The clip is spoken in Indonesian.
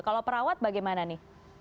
kalau perawat bagaimana nih